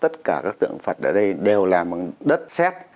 tất cả các tượng phật ở đây đều làm bằng đất xét